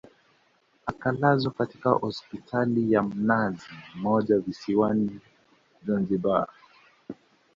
akalazwa katika hospitali ya mnazi mmoja visiwani Zanzibari